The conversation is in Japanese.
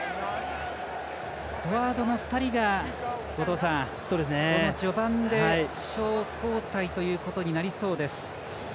フォワードの２人が、この序盤で負傷交代となりそうです。